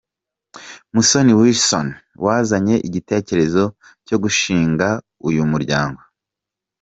Musoni Wilson wazanye igitekerezo cyo gushinga uyu muryango.